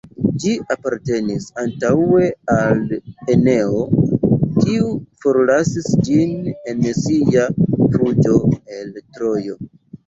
Ĝi apartenis antaŭe al Eneo, kiu forlasis ĝin en sia fuĝo el Trojo.